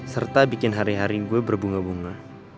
serta bikin hari hari gue berbunga bunga